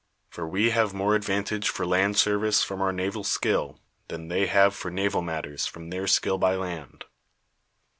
For we have more advantage for land service from our naval skill, than Ih.^y have for naval matters from their skill by land.